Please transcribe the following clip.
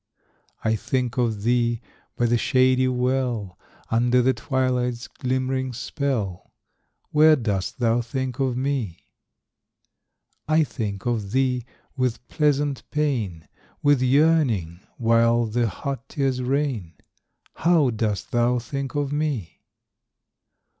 I think of thee By the shady well, Under the twilight's glimmering spell. Where dost thou think of me? I think of thee With pleasant pain, With yearning, while the hot tears rain. How dost thou think of me?